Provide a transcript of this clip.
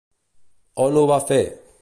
On ho va fer?